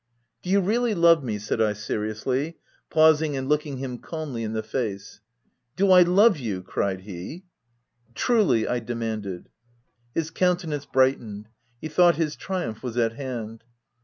"Do you really love me?" said I seriously, pausing and looking him calmly in the face. " Do I love you !'■ cried he. " Truly r I demanded. His countenance brightened ; he thought his triumph was at hand.